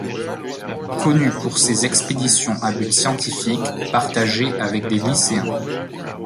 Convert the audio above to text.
Connu pour ses expéditions à but scientifique, partagées avec des lycéens.